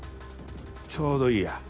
ちょうどいいや。